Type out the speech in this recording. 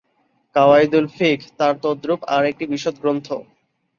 কাওয়াইদুল্ ফিক্হ তাঁর তদ্রূপ আর একটি বিশদ গ্রন্থ।